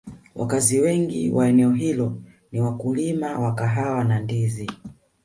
wakazi wengi wa eneo hilo ni wakulima wa kahawa na ndizi